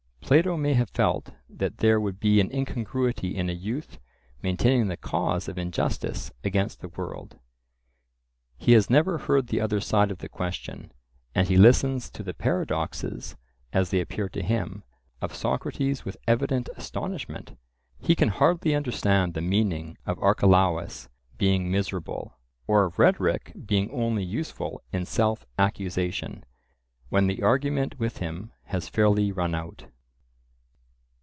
Plato may have felt that there would be an incongruity in a youth maintaining the cause of injustice against the world. He has never heard the other side of the question, and he listens to the paradoxes, as they appear to him, of Socrates with evident astonishment. He can hardly understand the meaning of Archelaus being miserable, or of rhetoric being only useful in self accusation. When the argument with him has fairly run out.